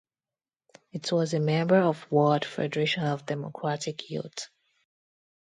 It was a member of World Federation of Democratic Youth.